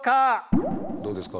どうですか？